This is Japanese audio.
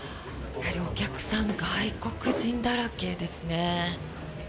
お客さん、外国人だらけですね。